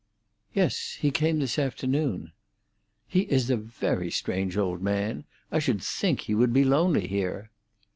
"Yes; he came this afternoon." "He is a very strange old man. I should think he would be lonely here."